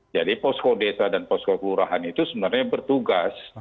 jadi posko desa dan posko kelurahan itu sebenarnya bertugas